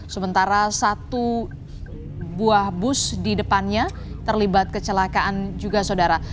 sementara satu buah bus di depannya terlibat kecelakaan juga saudara